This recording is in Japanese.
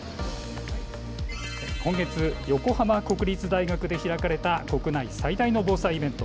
今月横浜国立大学で開かれた国内最大の防災イベント